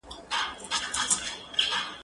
کېدای سي کالي لمد وي،